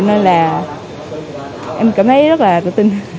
nên là em cảm thấy rất là tự tin